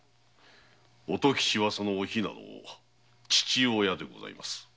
乙吉はその「お比奈」の父親でございます。